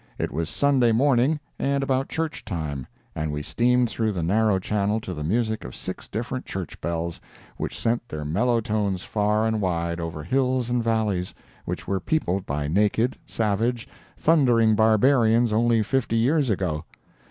It was Sunday morning, and about church time, and we steamed through the narrow channel to the music of six different church bells, which sent their mellow tones far and wide, over hills and valleys, which were peopled by naked, savage, thundering barbarians only fifty years ago!